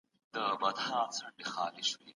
پس انداز په بانکونو کي په خوندي توګه ساتل کیږي.